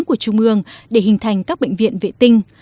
của trung ương để hình thành các bệnh viện vệ tinh